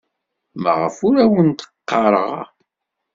Maɣef ur awen-d-ɣɣareɣ?